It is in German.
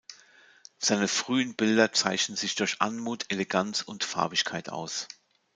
Seine frühen Bilder zeichnen sich durch Anmut, Eleganz und Farbigkeit aus.